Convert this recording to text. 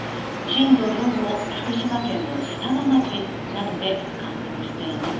震度４を福島県の双葉町などで観測しています。